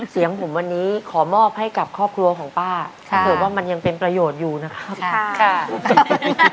เสียงผมวันนี้ขอมอบให้กับครอบครัวของป้าเผื่อว่ามันยังเป็นประโยชน์อยู่นะครับค่ะ